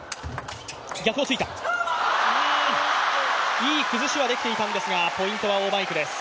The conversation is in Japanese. いい崩しはできていたんですが、ポイントは王曼イクです。